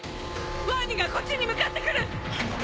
ワニがこっちに向かってくる。